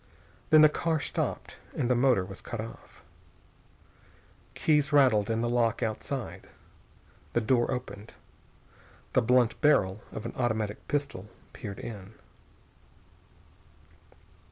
Then the car stopped and the motor was cut off. Keys rattled in the lock outside. The door opened. The blunt barrel of an automatic pistol peered in.